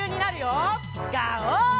ガオー！